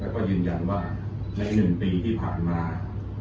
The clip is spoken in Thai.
แล้วก็ยืนยันว่าใน๑ปีที่ผ่านมา